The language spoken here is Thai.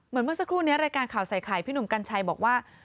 เมื่อสักครู่นี้รายการข่าวใส่ไข่พี่หนุ่มกัญชัยบอกว่า